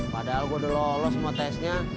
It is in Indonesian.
padahal gua udah lolos semua tesnya